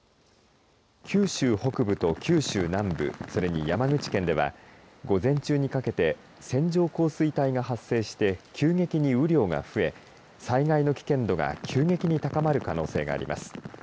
九州北部と九州南部それに山口県では午前中にかけて線状降水帯が発生して急激に雨量が増え災害の危険度が急激に高まる可能性があります。